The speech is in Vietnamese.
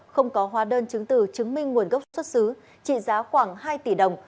không có hóa đơn chứng từ chứng minh nguồn gốc xuất xứ trị giá khoảng hai tỷ đồng